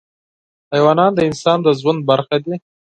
حیوانات د انسان د ژوند برخه دي.